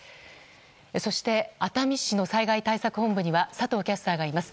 そして、熱海市の災害対策本部には佐藤キャスターがいます。